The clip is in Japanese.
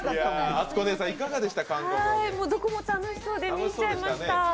どこも楽しそうで見入っちゃいました。